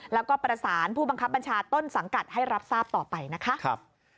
แล้วก็ประสานผู้บังคับบัญชาต้นสังกัดให้รับทราบต่อไปนะคะ